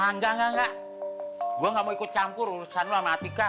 nggak gua nggak mau ikut campur urusan matika